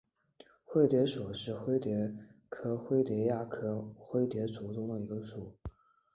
灰蝶属是灰蝶科灰蝶亚科灰蝶族中的一个属。